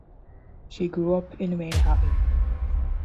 She grew up in Manhattan.